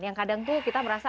yang kadang tuh kita merasa